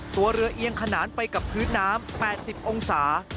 ตัวเรือเอียงขนานไปกับพื้นน้ำ๘๐องศา